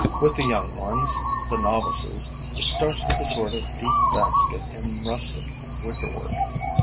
With the young ones, the novices, it starts with a sort of deep basket in rustic wicker work.